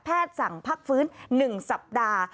สั่งพักฟื้น๑สัปดาห์